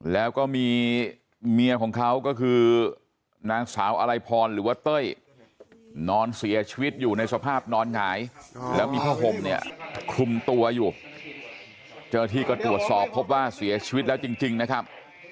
แล้วก็มีเมียของเขาก็คือนางสาวอลัยพรหรือว่าเต้ยนอนเสียชีวิตอยู่ในสภาพนอนหงายแล้วมีผ้าห่มเนี่ยคลุมตัวอยู่เจ้าหน้าที่ก็ตรวจสอบพบว่าเสียชีวิตแล้วจริงนะครับ